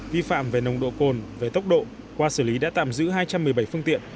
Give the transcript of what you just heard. vi phạm về nồng độ cồn về tốc độ qua xử lý đã tạm giữ hai trăm một mươi bảy phương tiện